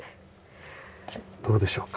どうでしょうか？